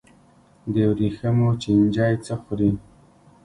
د ورېښمو چینجی څه خوري؟